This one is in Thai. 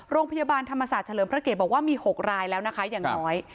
โรงพยาบาลธรรมศาสตร์เฉลิมพระเกตบอกว่ามี๖รายแล้วนะคะอย่างน้อย